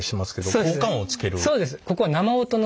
そうです。